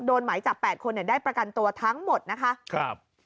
โดนหมายจาก๘คนเนี่ยได้ประกันตัวทั้งหมดนะคะ